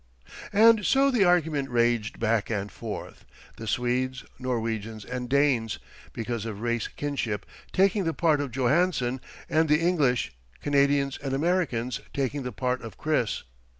And so the argument raged back and forth, the Swedes, Norwegians and Danes, because of race kinship, taking the part of Johansen, and the English, Canadians and Americans taking the part of Chris.